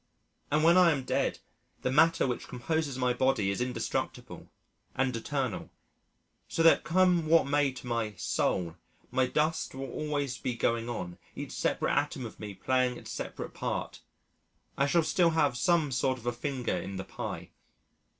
And when I am dead, the matter which composes my body is indestructible and eternal, so that come what may to my "Soul," my dust will always be going on, each separate atom of me playing its separate part I shall still have some sort of a finger in the Pie.